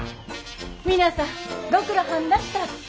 皆さんご苦労はんだした。